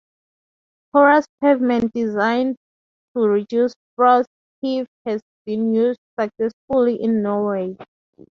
Porous pavement designed to reduce frost heave has been used successfully in Norway.